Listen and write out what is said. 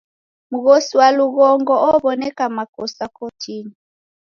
Mghosi wa lughongo ow'oneka makosa kotinyi.